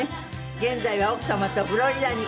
現在は奥様とフロリダに。